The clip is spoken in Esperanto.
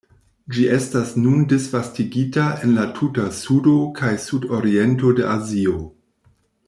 Ĝi estas nun disvastigita en la tuta sudo kaj sudoriento de Azio.